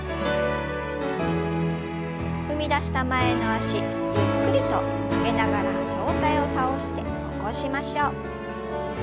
踏み出した前の脚ゆっくりと曲げながら上体を倒して起こしましょう。